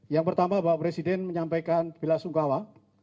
yang pertama bapak presiden menyampaikan bela sungkawa